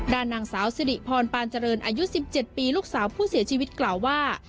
ด้านนางสาวสิริพรปานเจริญอายุ๑๗ปีลูกสาวผู้เสียชีวิตกล่าวว่า